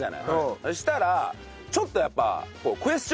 そしたらちょっとやっぱ。